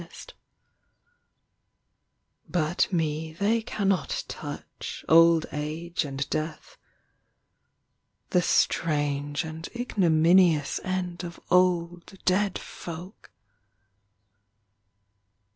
YOUTH But me They cannot touch, Old Age and death ... the strange And ignominious end of old Dead folk!